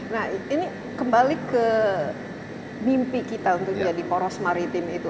nah ini kembali ke mimpi kita untuk jadi poros maritim itu